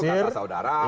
oh itu kata saudara